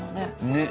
ねっ。